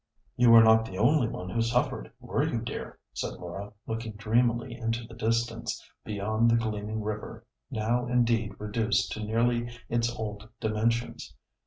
"You were not the only one who suffered, were you, dear?" said Laura, looking dreamily into the distance, beyond the gleaming river, now indeed reduced to nearly its old dimensions.